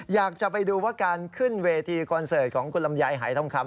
อยากจะไปดูว่าการขึ้นเวทีคอนเสิร์ตของคุณลำไยหายทองคำ